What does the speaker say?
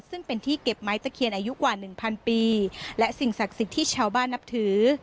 ซึ่งเป็นที่เก็บไม้ตะเคียนอายุกว่าหนึ่งพันปีและสิ่งศักดิ์สิทธิ์ที่ชาวบ้านนับถือ